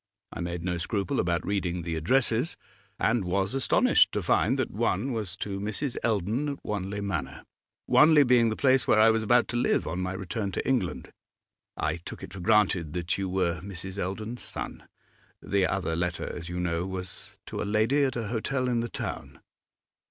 I made no scruple about reading the addresses, and was astonished to find that one was to Mrs. Eldon, at Wanley Manor, Wanley being the place where I was about to live on my return to England. I took it for granted that you were Mrs. Eldon's son. The other letter, as you know, was to a lady at a hotel in the town.